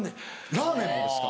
ラーメンもですか。